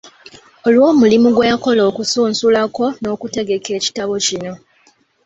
Olw’omulimu gwe yakola okusunsula ko n’okutegeka ekitabo kino.